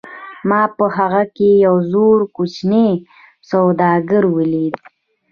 ما په هغه کې یو زړور کوچنی سوداګر ولید